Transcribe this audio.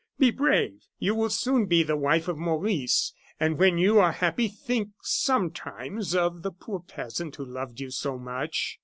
Be brave! You will soon be the wife of Maurice. And when you are happy, think sometimes of the poor peasant who loved you so much."